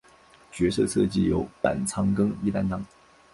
角色设计由板仓耕一担当。